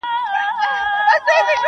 • په وېش ور رسېدلی په ازل کي فکر شل دی -